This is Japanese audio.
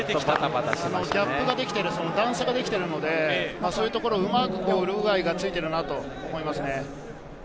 ギャップができて、段差ができてるので、そういうところをうまくウルグアイが突いているなと思いますね。